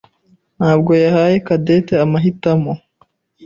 ntabwo yahaye Cadette amahitamo.